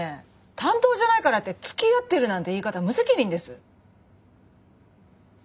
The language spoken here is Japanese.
担当じゃないからってつきあってるなんて言い方無責任です。